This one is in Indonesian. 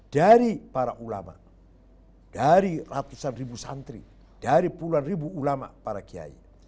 dari para ulama dari ratusan ribu santri dari puluhan ribu ulama para kiai